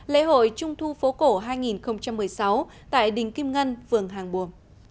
gọi trung thu phố cổ hai nghìn một mươi sáu tại đình kim ngân vườn hàng bùa